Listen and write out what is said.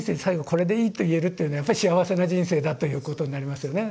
これでいいと言えるというのはやっぱり幸せな人生だということになりますよね。